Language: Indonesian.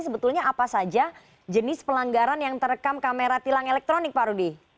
sebetulnya apa saja jenis pelanggaran yang terekam kamera tilang elektronik pak rudi